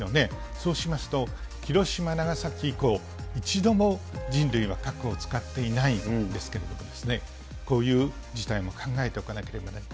そうしますと、広島、長崎以降、一度も人類は核を使っていないんですけれども、こういう事態も考えておかなければならない。